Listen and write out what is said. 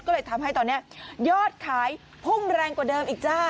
ก็เลยทำให้ตอนนี้ยอดขายพุ่งแรงกว่าเดิมอีกจ้า